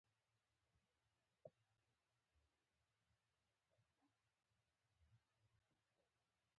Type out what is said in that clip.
د میرمن زینب په اړه کره معلومات له کومو کتابونو ترلاسه شوي.